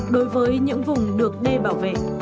đối với những vùng được đê bảo vệ